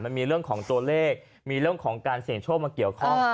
มันมีเรื่องของตัวเลขมีเรื่องของการเสี่ยงโชคมาเกี่ยวข้อง